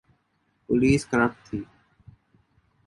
Police corrupt تھی۔